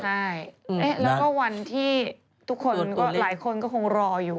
ใช่แล้วก็วันที่ทุกคนหลายคนก็คงรออยู่